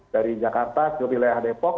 dari jakarta ke wilayah depok